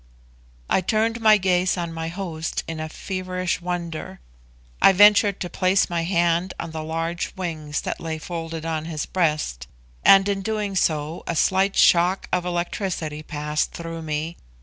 I turned my gaze on my host in a feverish wonder. I ventured to place my hand on the large wings that lay folded on his breast, and in doing so a slight shock as of electricity passed through me.